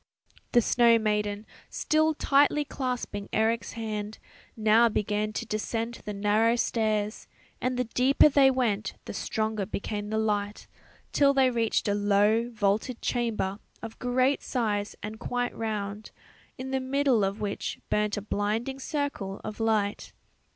The snow maiden, still tightly clasping Eric's hand, now began to descend the narrow stairs, and the deeper they went the stronger became the light, till they reached a low vaulted chamber of great size and quite round, in the middle of which burnt a blinding circle of light.